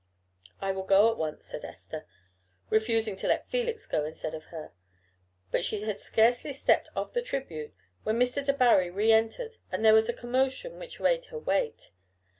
"I will go at once," said Esther, refusing to let Felix go instead of her. But she had scarcely stepped off the tribune when Mr. Debarry re entered, and there was a commotion which made her wait.